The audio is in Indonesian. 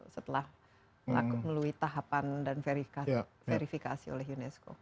setelah melalui tahapan dan verifikasi oleh unesco